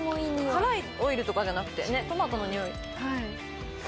辛いオイルとかじゃなくてトマトの匂い。